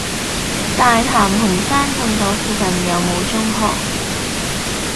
大潭紅山半島附近有無中學？